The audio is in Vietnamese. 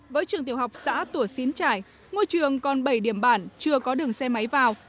với trường tiểu học xã tùa xín trải ngôi trường còn bảy điểm bản chưa có đường xe máy vào